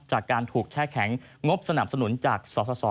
จากการถูกแช่แข็งงบสนับสนุนจากสส